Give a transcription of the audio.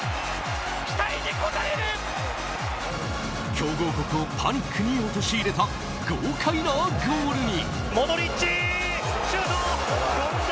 強豪国をパニックに陥れた豪快なゴールに。